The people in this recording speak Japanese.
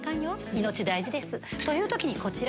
命大事です。という時にこちら！